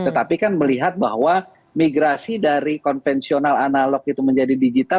tetapi kan melihat bahwa migrasi dari konvensional analog itu menjadi digital